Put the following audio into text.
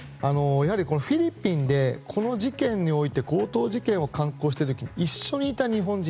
フィリピンでこの事件において強盗事件を敢行していて一緒にいた日本人。